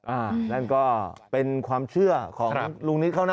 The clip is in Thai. นั่นก็เป็นความเชื่อของลุงนิดเขานะ